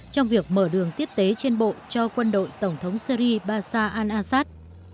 trong việc mở đường tiếp tế trên bộ cho quân đội tổng thống syri basa al assad